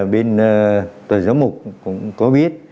bên tòa giáo mục cũng có biết